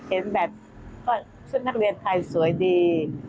เขาเห็นแบบชาราชาราใส่แล้วเขาก็เห็นแบบชุดนักเรียนไทยสวยดี